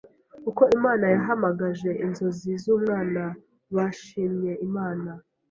Uko Imana yabahamagaje inzozi z’ Umwana bashimye Imana